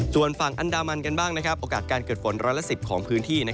ส่วนฝั่งอันดามันกันบ้างโอกาสการเกิดฝนร้อยละ๑๐ของพื้นที่